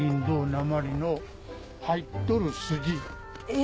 え！